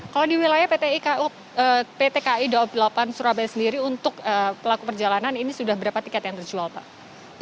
kalau di wilayah pt kai dua puluh delapan surabaya sendiri untuk pelaku perjalanan ini sudah berapa tiket yang terjual pak